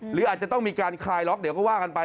หรืออาจจะต้องมีการคลายล็อกเดี๋ยวก็ว่ากันไป